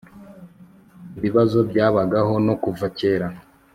ibibazo byabagaho no kuva kera